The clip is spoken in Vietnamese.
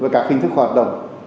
các hình thức hoạt động